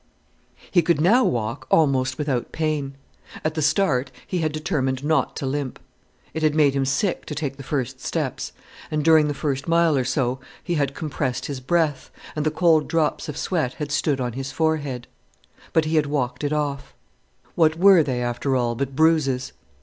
He could now walk almost without pain. At the start, he had determined not to limp. It had made him sick to take the first steps, and during the first mile or so, he had compressed his breath, and the cold drops of sweat had stood on his forehead. But he had walked it off. What were they after all but bruises!